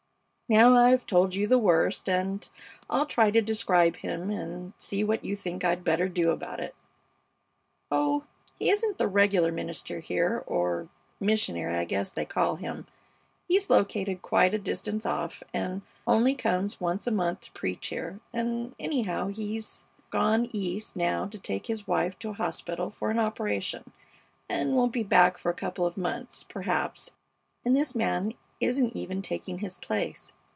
Now I've told you the worst, and I'll try to describe him and see what you think I'd better do about it. Oh, he isn't the regular minister here, or missionary I guess they call him. He's located quite a distance off, and only comes once a month to preach here, and, anyhow, he's gone East now to take his wife to a hospital for an operation, and won't be back for a couple of months, perhaps, and this man isn't even taking his place.